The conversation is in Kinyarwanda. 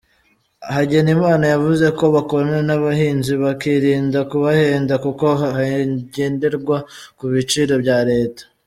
Hagenimana yavuze ko bakorana n’abahinzi bakirinda kubahenda kuko hagenderwa ku biciro bya leta.